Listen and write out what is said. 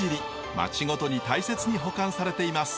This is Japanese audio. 町ごとに大切に保管されています。